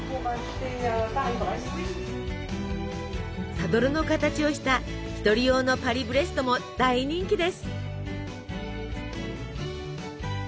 サドルの形をした１人用のパリブレストも大人気です。